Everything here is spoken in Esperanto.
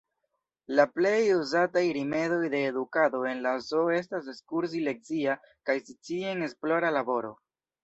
La plej uzataj rimedoj de edukado en la zoo estas ekskursi-lekcia kaj scienc-esplora laboro.